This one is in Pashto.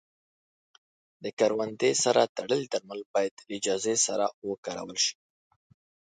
د کروندې سره تړلي درمل باید له اجازې سره وکارول شي.